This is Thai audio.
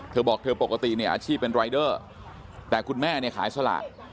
เธอบอกเธอปกติเนี่ยอาชีพเป็นรายเดอร์แต่คุณแม่เนี่ยขายสลาก